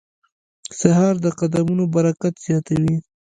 سهار د قدمونو برکت زیاتوي.